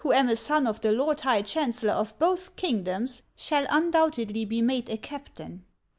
63 am a sou of the lord high chancellor of both kingdoms, shall undoubtedly be made a captain."